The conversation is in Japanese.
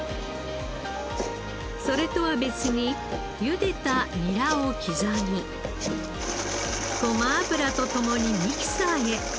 それとは別にゆでたニラを刻みごま油と共にミキサーへ。